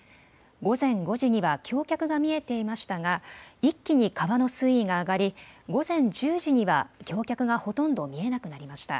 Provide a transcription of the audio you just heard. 午前５時には橋脚が見えていましたが一気に川の水位が上がり、午前１０時には橋脚がほとんど見えなくなりました。